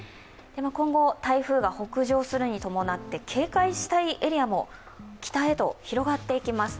今後、台風が北上するに伴って警戒したいエリアも北へと広がっていきます。